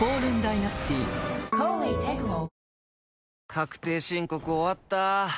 確定申告終わった。